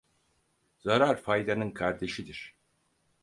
Zarar faydanın kardeşidir.